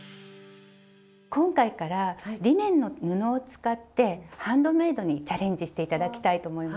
今回からリネンの布を使ってハンドメイドにチャレンジして頂きたいと思います。